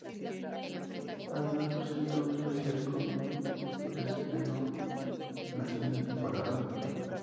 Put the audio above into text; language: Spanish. Además, presenta un especial como un preestreno de la siguiente temporada.